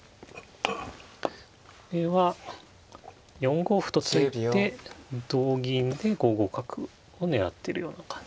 これは４五歩と突いて同銀で５五角を狙ってるような感じ。